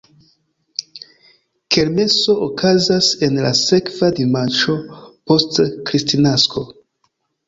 Kermeso okazas en la sekva dimanĉo post Kristnasko.